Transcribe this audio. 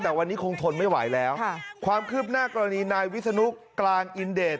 แต่วันนี้คงทนไม่ไหวแล้วความคืบหน้ากรณีนายวิศนุกลางอินเดช